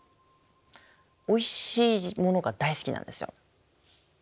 おいしいものが大好きなんですよ。